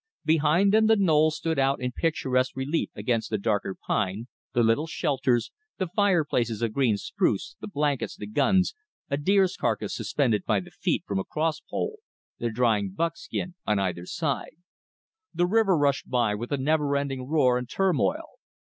Behind them the knoll stood out in picturesque relief against the darker pine, the little shelters, the fire places of green spruce, the blankets, the guns, a deer's carcass suspended by the feet from a cross pole, the drying buckskin on either side. The river rushed by with a never ending roar and turmoil.